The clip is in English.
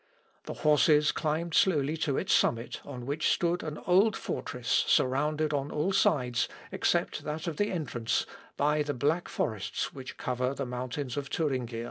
The horses climbed slowly to its summit on which stood an old fortress surrounded on all sides, except that of the entrance, by the black forests which cover the mountains of Thuringia.